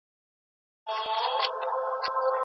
اسلام د کفارو د عوائدو ناروا منابع حرامي اعلان کړې.